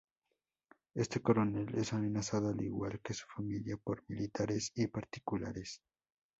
Este Coronel es amenazado, al igual que su familia, por militares y particulares.